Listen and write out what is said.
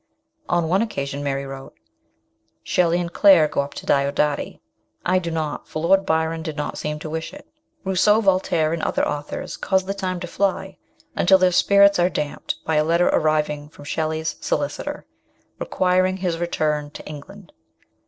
On one occasion Mary wrote :" Shelley nnd Claire go up to Diodati ; I do not, for Lord Byron did not seem to wish it." Rousseau, Voltaire, and other authors cause the time to fly, until their spirits are damped by a letter arriving from Shelley's solicitor, requiring his return to England.